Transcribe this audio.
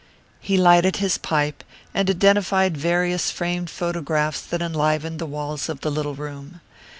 He lighted his pipe, and identified various framed photographs that enlivened the walls of the little room.